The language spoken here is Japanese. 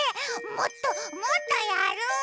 もっともっとやる！